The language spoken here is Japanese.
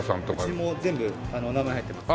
うちも全部名前入ってます。